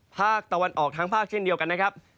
ภาคตะวันออกทั้งภาคเช่นเดียวกันนะครับ